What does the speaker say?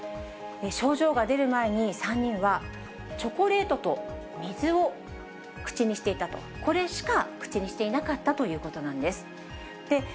症状が出る前に３人はチョコレートと水を口にしていたと、これしか口にしていなかったということなんです。